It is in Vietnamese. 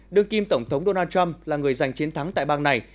đương kim tổng thống donald trump là người giành chiến thắng tại bang này